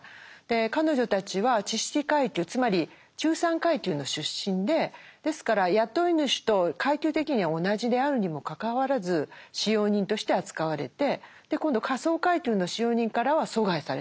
彼女たちは知識階級つまり中産階級の出身でですから雇い主と階級的には同じであるにもかかわらず使用人として扱われて今度下層階級の使用人からは疎外されてしまう。